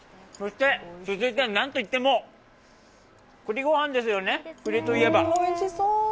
続いては何といっても栗ごはんですよね、栗といえば。